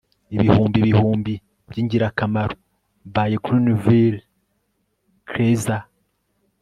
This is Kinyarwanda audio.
Ibihumbi Ibihumbi Byingirakamaro by Greenville Kleiser